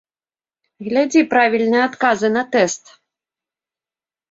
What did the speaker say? Глядзі правільная адказы на тэст!